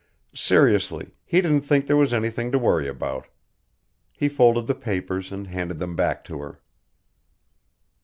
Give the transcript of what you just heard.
Seriously, he didn't think there was anything to worry about. He folded the papers and handed them back to her.